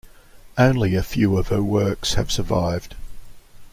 Only a few of her works have survived.